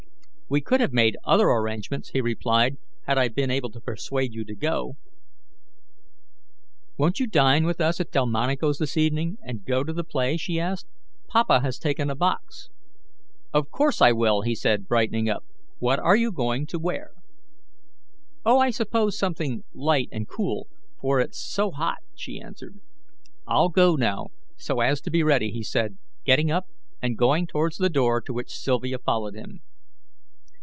"We could have made other arrangements," he replied, "had I been able to persuade you to go." "Won't you dine with us at Delmonico's this evening, and go to the play?" she asked. "Papa has taken a box." "Of course I will," he said, brightening up. "What are you going to wear?" "Oh, I suppose something light and cool, for it's so hot," she answered. "I'll go now, so as to be ready," he said, getting up and going towards the door to which Sylvia followed him.